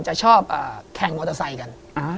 จะชอบแข่งมอเตอร์ไซค์กัน